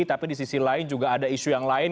tapi di sisi lain juga ada isu yang lain